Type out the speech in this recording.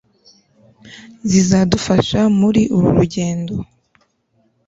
zizadufasha muri uru rugendo